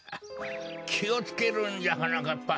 きをつけるんじゃはなかっぱ。